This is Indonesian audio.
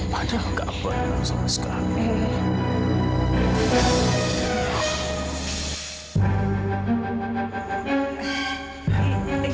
padahal enggak benar sama sekali